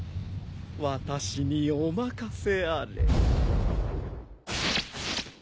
私にお任せあれ。